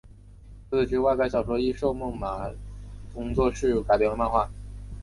除此之外该小说亦授权梦马工作室改编为漫画。